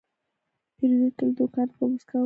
پیرودونکی له دوکانه په موسکا ووت.